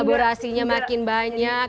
laborasinya makin banyak